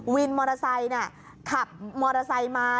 วินมอเตอร์ไซค์ขับมอเตอร์ไซค์มา